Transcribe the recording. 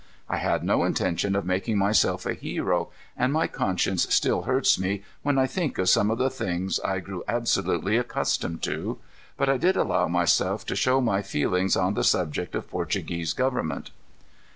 I had no intention of making myself a hero and my conscience still hurts me when I think of some of the things I grew absolutely accustomed to but I did allow myself to show my feelings on the subject of Portuguese government.